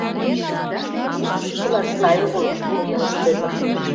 — Тыге лӱдыктылаш сай огыл, — умылыш Пӧтыр.